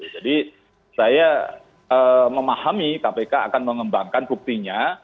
jadi saya memahami kpk akan mengembangkan buktinya